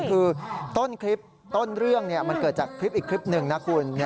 คือต้นคลิปต้นเรื่องมันเกิดจากคลิปอีกคลิปหนึ่งนะคุณ